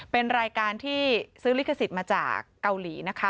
เป็นรายการที่ซื้อลิขสิทธิ์มาจากเกาหลีนะคะ